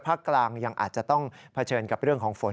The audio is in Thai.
กลางยังอาจจะต้องเผชิญกับเรื่องของฝน